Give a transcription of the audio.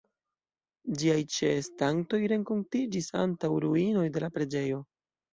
Ĝiaj ĉeestantoj renkontiĝis antaŭ ruinoj de la preĝejo.